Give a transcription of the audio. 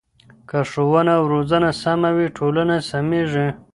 که ښوونه او روزنه سمه وي ټولنه سمېږي.